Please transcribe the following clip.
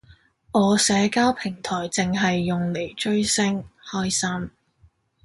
我社交平台剩係用嚟追星，開心